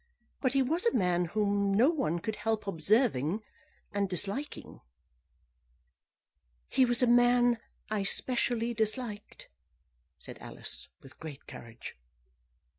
"But he was a man whom no one could help observing, and disliking." "He was a man I specially disliked," said Alice, with great courage.